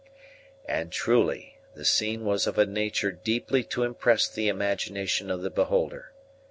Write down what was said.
And truly the scene was of a nature deeply to impress the imagination of the beholder.